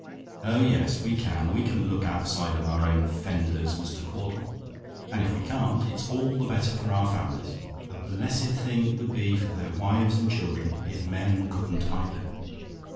Oh yes, we can we can look outside of our own fenders, Mr. Caudle. And if we can't, it's all the better for our families. A blessed thing it would be for their wives and children if men couldn't either.